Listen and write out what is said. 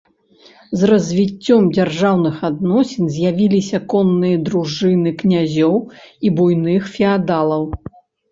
З развіццём дзяржаўных адносін з'явіліся конныя дружыны князёў і буйных феадалаў.